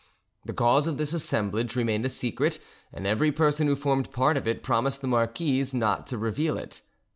The cause of this assemblage remained a secret, and every person who formed part of it promised the marquise not to reveal it.